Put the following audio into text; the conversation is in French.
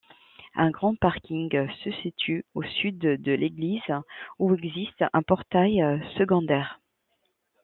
Un grand parking se situe au sud de l'église, où existe un portail secondaire.